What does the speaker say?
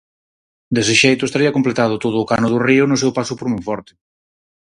Dese xeito, estaría completado todo o cano do río no seu paso por Monforte.